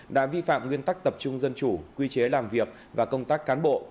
đã vi phạm nguyên tắc tập trung dân chủ quy chế làm việc và công tác cán bộ